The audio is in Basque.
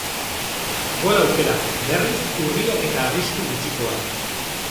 Gol aukerak, berriz, urriak eta arrisku gutxikoak.